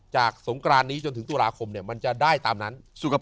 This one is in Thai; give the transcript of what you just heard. สงกรานนี้จนถึงตุลาคมเนี่ยมันจะได้ตามนั้นสุขภาพ